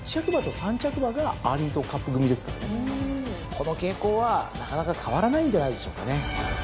この傾向はなかなか変わらないんじゃないでしょうかね。